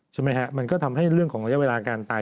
ใช่ไหมฮะมันก็ทำให้เรื่องของระยะเวลาการตาย